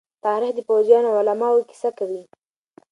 تاریخ د پوځيانو او علماءو کيسه کوي.